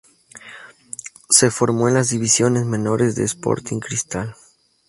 Se formó en las divisiones menores de Sporting Cristal.